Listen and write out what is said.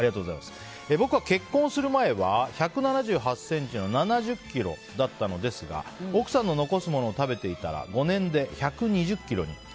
僕は結婚する前は１７８ｃｍの７０ｋｇだったのですが奥さんの残すものを食べていたら５年で１２０ｋｇに。